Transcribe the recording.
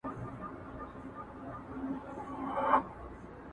او تر وروستۍ ورځي پوري